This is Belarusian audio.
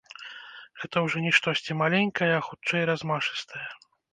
Гэта ўжо не штосьці маленькае, а хутчэй размашыстае.